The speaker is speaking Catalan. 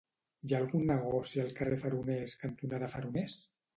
Hi ha algun negoci al carrer Faroners cantonada Faroners?